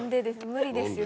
無理ですよ